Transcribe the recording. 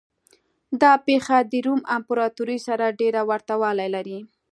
دا پېښه د روم امپراتورۍ سره ډېر ورته والی لري.